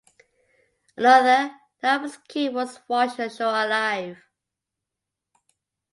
Another, Thomas Kew, was washed ashore alive.